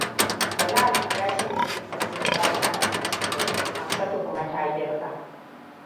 Jalal ya shirya teburin da za'a ci abincin dare, Hamsatu kuma ta girka.